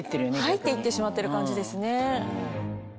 入っていってしまってる感じですね。